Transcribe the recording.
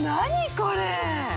これ。